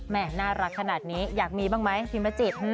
น่ารักขนาดนี้อยากมีบ้างไหมพิมประจิต